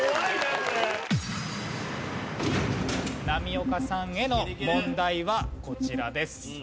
波岡さんへの問題はこちらです。